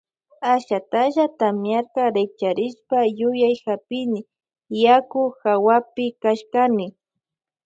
Ashatalla tamiarka rikcharishpa yuyay hapini yaku hawapi kashkani.